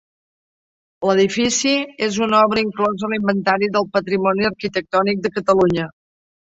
L'edifici és una obra inclosa a l'Inventari del Patrimoni Arquitectònic de Catalunya.